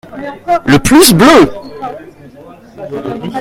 Le plus bleu.